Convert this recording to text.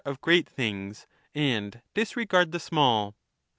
of great things, and disregard the small.